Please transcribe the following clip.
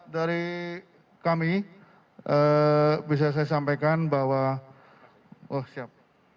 dari kami bisa saya sampaikan bahwa oh siap